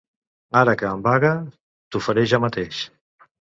Ara que em vaga, t'ho faré jo mateix.